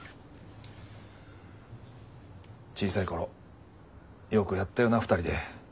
小さい頃よくやったよな２人で。